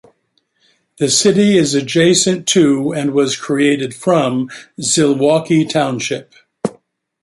The city is adjacent to and was created from Zilwaukee Township.